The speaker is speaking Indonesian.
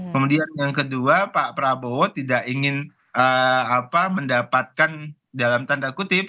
kemudian yang kedua pak prabowo tidak ingin mendapatkan dalam tanda kutip